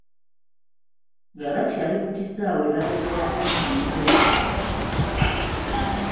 Nga bakyali ku kisaawe baayogera bingi nnyo.